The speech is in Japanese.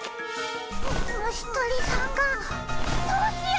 もしとりさんがどうしよう！